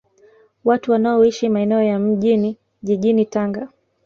Watu wanaoishi maeneo ya Mjini jijini Tanga